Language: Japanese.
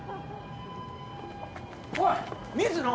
おい水野！